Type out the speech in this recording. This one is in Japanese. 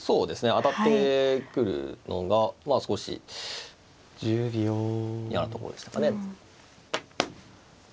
当たってくるのがまあ少し嫌なところでしたかね。